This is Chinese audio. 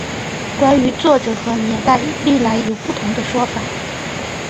关于作者和年代历来有不同说法。